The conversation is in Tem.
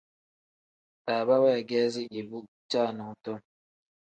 Baaba weegeezi ibu caanadom.